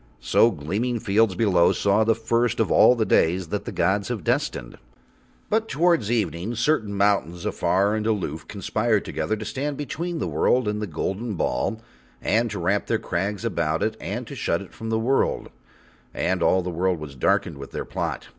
So gleaming fields below saw the first of all the days that the gods have destined. But towards evening certain mountains, afar and aloof, conspired together to stand between the world and the golden ball and to wrap their crags about it and to shut it from the world, and all the world was darkened with their plot.